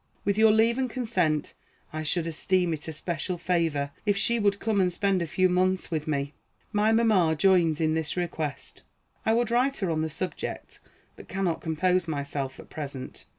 With your leave and consent, I should esteem it a special favor if she would come and spend a few months with me. My mamma joins in this request. I would write to her on the subject, but cannot compose myself at present.